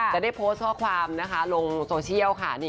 จะได้โพสต์ข้อความลงโซเชียลค่ะ